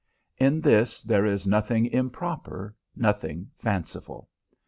In this there is nothing improper, nothing fanciful.